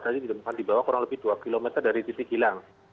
tadi ditemukan di bawah kurang lebih dua km dari titik hilang